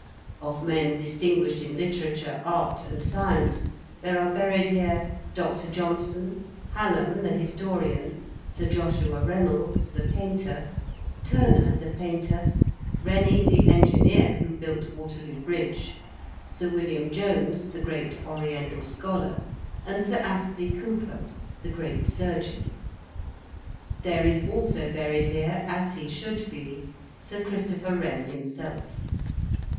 Of men distinguished in Literature, Art, and Science, there are buried here Dr. Johnson, Hallam the historian, Sir Joshua Reynolds the painter, Turner the painter, Rennie the engineer who built Waterloo Bridge, Sir William Jones, the great Oriental scholar, and Sir Astley Cooper, the great surgeon. There is also buried here, as he should be, Sir Christopher Wren himself.